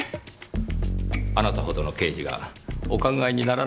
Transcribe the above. あなたほどの刑事がお考えにならなかったのでしょうか。